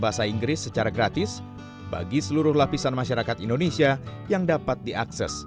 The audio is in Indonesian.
bahasa inggris secara gratis bagi seluruh lapisan masyarakat indonesia yang dapat diakses